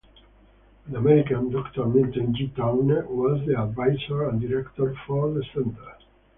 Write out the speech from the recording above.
An American, Doctor Milton G Towner was the advisor and director for the center.